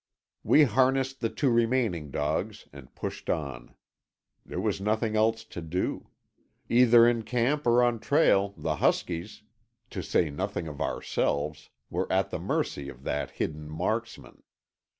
We harnessed the two remaining dogs and pushed on. There was nothing else to do. Either in camp or on trail the huskies, to say nothing of ourselves, were at the mercy of that hidden marksman.